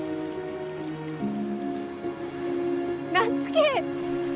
夏樹！